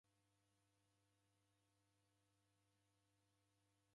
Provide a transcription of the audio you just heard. Dedemw'ona ighuo.